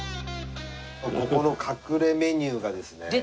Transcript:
ここの隠れメニューがですね。